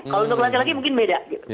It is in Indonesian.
kalau untuk wanita laki mungkin beda